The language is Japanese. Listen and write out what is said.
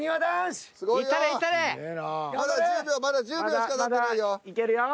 まだ１０秒まだ１０秒しかたってないよ。